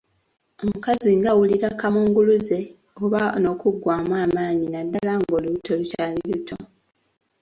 Omukazi ng'awulira kaamunguluze oba n'okuggwaamu amaanyi naddala ng'olubuto lukyali luto.